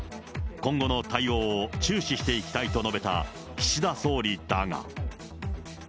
今後の対応を注視していきたいと述べた岸田総理だが。